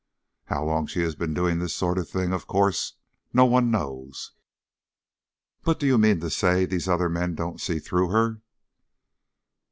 How long she has been doing this sort of thing, of course no one knows." "But do you mean to say these other men don't see through her?"